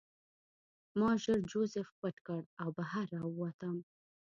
ما ژر جوزف پټ کړ او بهر راووتم